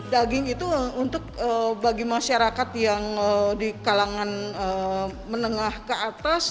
daging itu untuk bagi masyarakat yang di kalangan menengah ke atas